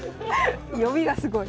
読みがすごい。